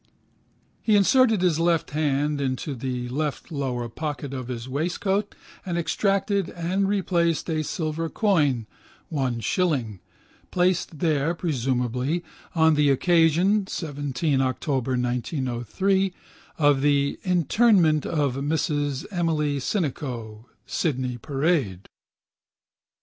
He inserted his left hand into the left lower pocket of his waistcoat and extracted and replaced a silver coin (1 shilling), placed there (presumably) on the occasion (17 October 1903) of the interment of Mrs Emily Sinico, Sydney Parade.